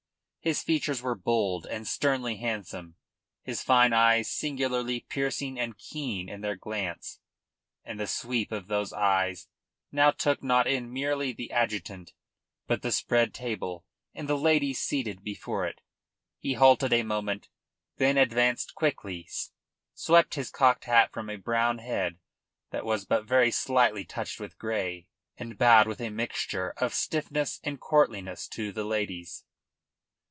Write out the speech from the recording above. His features were bold and sternly handsome; his fine eyes singularly piercing and keen in their glance; and the sweep of those eyes now took in not merely the adjutant, but the spread table and the ladies seated before it. He halted a moment, then advanced quickly, swept his cocked hat from a brown head that was but very slightly touched with grey, and bowed with a mixture of stiffness and courtliness to the ladies.